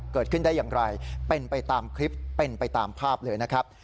เกิดขึ้นได้อย่างไรเป็นไปตามคลิปเป็นไปตามภาพเลยนะครับ